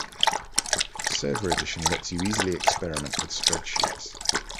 Server Edition lets you easily experiment with spreadsheets.